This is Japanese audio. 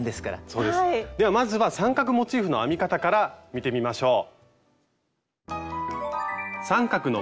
そうですではまずは三角モチーフの編み方から見てみましょう。